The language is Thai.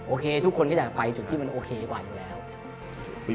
ทุกคนก็อยากไปถึงที่มันโอเคกว่าอยู่แล้ว